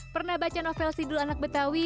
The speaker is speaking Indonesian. pernah baca novel sidul anak betawi